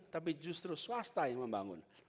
tapi justru swasta yang membangun